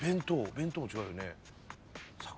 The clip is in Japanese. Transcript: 弁当も違うよね。